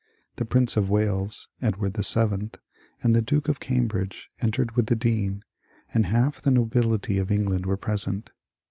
The Prince of Wales (Edward VII) and the Duke of Cambridge entered with the Dean, and half the *^ nobility" of England were present.